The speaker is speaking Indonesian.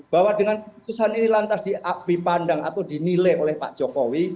bahwa dengan keputusan ini lantas dipandang atau dinilai oleh pak jokowi